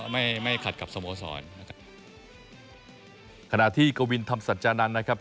ไม่ไม่ขัดกับสมสอนขณะที่เกาวินทำสัญญานรรภิกษ์นะครับ